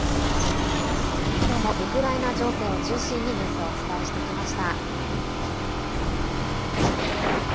今日もウクライナ情勢を中心にニュースをお伝えしてきました。